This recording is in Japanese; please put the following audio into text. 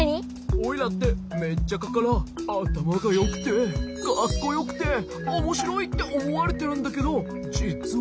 オイラってメッチャカからあたまがよくてかっこよくておもしろいっておもわれてるんだけどじつは。